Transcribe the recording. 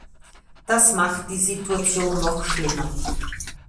Das macht die Situation noch schlimmer.